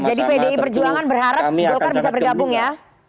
oke jadi pdi perjuangan berharap golkar bisa bergabung ya